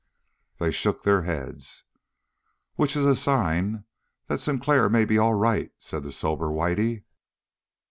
They shook their heads. "Which is a sign that Sinclair may be all right," said the sober Whitey.